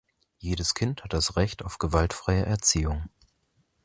Jedes Kind hat das Recht auf gewaltfreie Erziehung.